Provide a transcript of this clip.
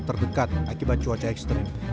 terdekat akibat cuaca ekstrim